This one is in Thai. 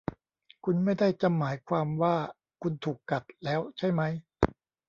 คุณไม่ได้จะหมายความว่าคุณถูกกัดแล้วใช่มั้ย ?